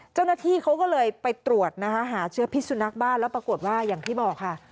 เจ้าหน้าที่เขาก็เลยไปตรวจนะคะหาเชื้อพิสุนักบ้านแล้วปรากฏว่าอย่างที่บอกค่ะ